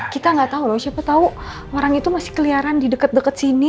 kita gak tau loh siapa tau orang itu masih keliaran di deket deket sini